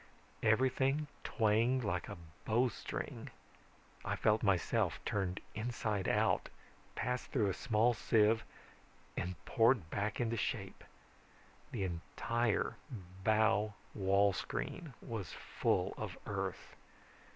"Everything twanged like a bowstring. I felt myself turned inside out, passed through a small sieve, and poured back into shape. The entire bow wall screen was full of Earth.